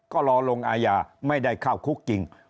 ก็รอลงอาญาไม่ได้เข้าคุกจริง